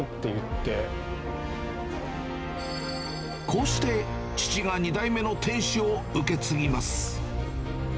こうして、父が２代目の店主を受け継ぎます。